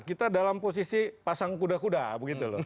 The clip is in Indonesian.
kita dalam posisi pasang kuda kuda begitu loh